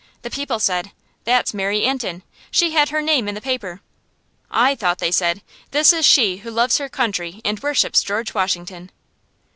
The people said, "That's Mary Antin. She had her name in the paper." I thought they said, "This is she who loves her country and worships George Washington."